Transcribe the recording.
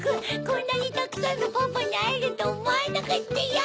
こんなにたくさんのパパにあえるとおもわなかったよ！